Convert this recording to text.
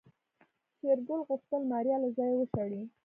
شېرګل غوښتل ماريا له ځايه وشړي.